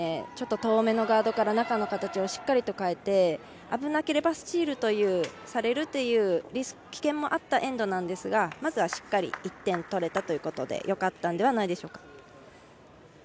ちょっと遠めのガードから中の形をしっかりと変えて危なければスチールされるという危険もあったエンドですがまずはしっかり１点取れたということでよかったんではないでしょうか。